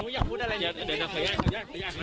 โชว์บ้านในพื้นที่เขารู้สึกยังไงกับเรื่องที่เกิดขึ้น